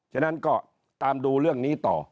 ฉะนั้นก็ตามดูเรื่องนี้ต่อ